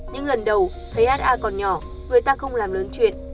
nhưng lần đầu thấy ha còn nhỏ người ta không làm lớn chuyện